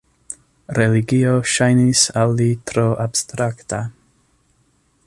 Religio ŝajnis al li tro abstrakta.